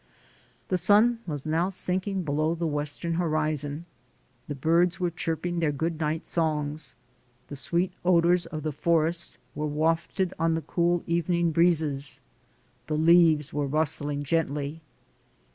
The sun was now sinking below the western horizon; the birds were chirping their good night songs ; the sweet odors of the forest were wafted on the cool evening breezes ; the leaves were rustling gently.